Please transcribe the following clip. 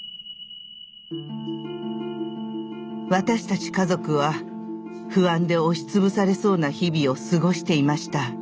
私たち家族は不安で押し潰されそうな日々を過ごしていました。